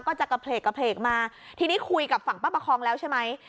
กระเพลกมาทีนี้คุยกับฝั่งป้าประคองแล้วใช่ไหม